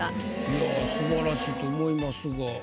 いや素晴らしいと思いますが。